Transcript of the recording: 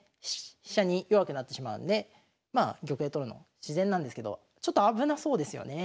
飛車に弱くなってしまうのでまあ玉で取るの自然なんですけどちょっと危なそうですよね。